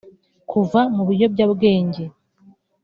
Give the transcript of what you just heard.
kuva mu biyobyabwenge